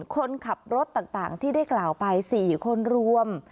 คนขับรถต่างที่ได้กล่าวไป๔คนรวม